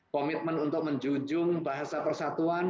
komitmen untuk menjunjung bahasa persatuan